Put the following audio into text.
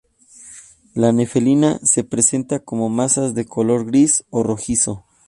La nefelina se presenta como masas de color gris o rojizo.